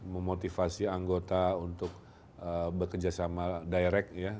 memotivasi anggota untuk bekerja sama direct ya